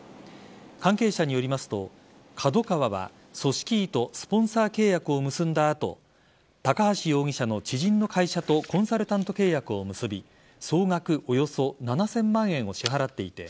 関係者によりますとＫＡＤＯＫＡＷＡは組織委とスポンサー契約を結んだ後高橋容疑者の知人の会社とコンサルタント契約を結び総額およそ７０００万円を支払っていて